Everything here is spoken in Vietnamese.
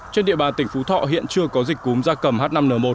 trên địa bàn tỉnh phú thọ hiện chưa có dịch cúm da cầm h năm n một